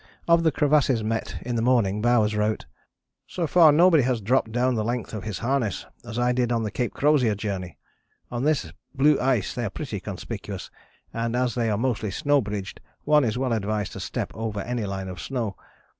" Of the crevasses met in the morning Bowers wrote: "So far nobody has dropped down the length of his harness, as I did on the Cape Crozier journey. On this blue ice they are pretty conspicuous, and as they are mostly snow bridged one is well advised to step over any line of snow.